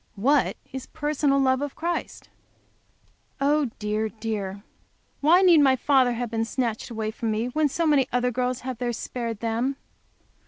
What is "personal love to Christ?" Oh, dear, dear! Why need my father have been snatched away from me, when so many other girls have theirs spared to them?